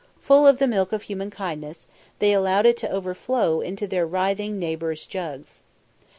Full of the milk of human kindness, they allowed it to overflow into their writhing neighbours' jugs.